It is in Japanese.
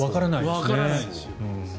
わからないですよ。